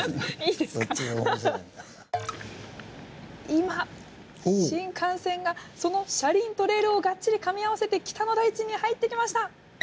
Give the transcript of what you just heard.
今新幹線がその車輪とレールをがっちりかみ合わせて北の大地に入ってきました！